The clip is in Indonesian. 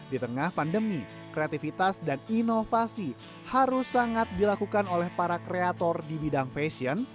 di tengah pandemi kreativitas dan inovasi harus sangat dilakukan oleh para kreator di bidang fashion